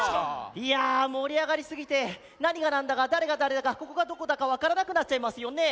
いやあもりあがりすぎてなにがなんだかだれがだれだかここがどこだかわからなくなっちゃいますよねえ。